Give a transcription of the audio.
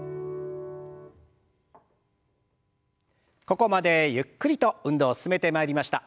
ここまでゆっくりと運動進めてまいりました。